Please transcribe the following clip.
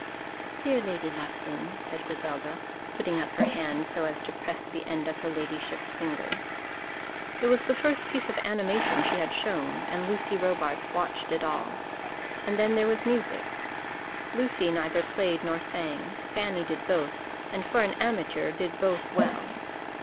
"Dear Lady Lufton!" said Griselda, putting up her hand so as to press the end of her ladyship's fingers. It was the first piece of animation she had shown, and Lucy Robarts watched it all. And then there was music. Lucy neither played nor sang; Fanny did both, and for an amateur did both well.